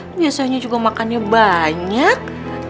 biasanya juga makannya banyak